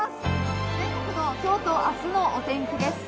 全国の今日と明日の天気です。